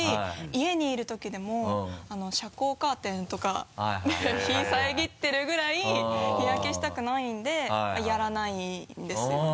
家にいるときでも遮光カーテンとかで日を遮ってるぐらい日焼けしたくないんでやらないんですよね。